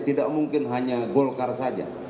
tidak mungkin hanya golkar saja